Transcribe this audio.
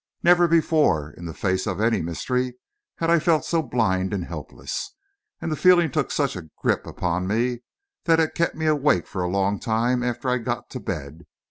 Never before, in the face of any mystery, had I felt so blind and helpless, and the feeling took such a grip upon me that it kept me awake for a long time after I got to bed.